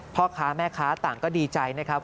พ่อค้าแม่ค้าต่างก็ดีใจนะครับ